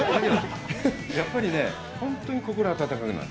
やっぱり本当に心が温かくなる。